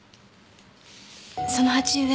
その鉢植え